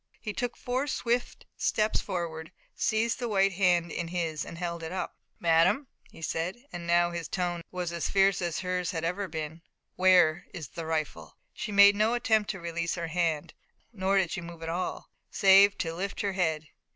He took four swift steps forward, seized the white hand in his and held it up. "Madame," he said, and now his tone was as fierce as hers had ever been, "where is the rifle?" She made no attempt to release her hand, nor did she move at all, save to lift her head.